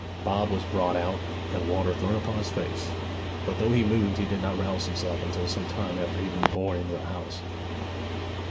Bob was brought out, and water thrown upon his face; but though he moved he did not rouse himself until some time after he had been borne into the house.